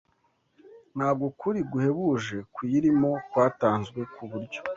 Ntabwo ukuri guhebuje kuyirimo kwatanzwe ku buryo